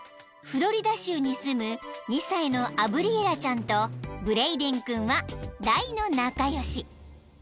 ［フロリダ州に住む２歳のアブリエラちゃんとブレイデン君は大の仲良し］